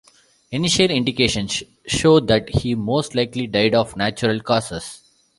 Initial indications show that he most likely died of natural causes.